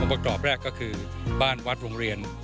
ประกอบแรกก็คือบ้านวัดโรงเรียน